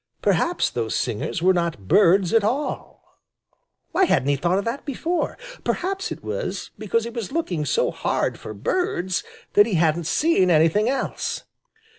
Perhaps those singers were not birds at all! Why hadn't he thought of that before? Perhaps it was because he was looking so hard for birds that he hadn't seen anything else.